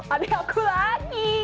ada aku lagi